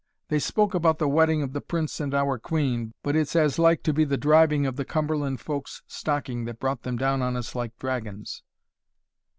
They spoke about the wedding of the Prince and our Queen, but it's as like to be the driving of the Cumberland folk's stocking that brought them down on us like dragons."